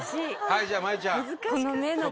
はいじゃあ真由ちゃん。